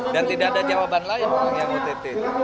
dan tidak ada jawaban lain orang yang ott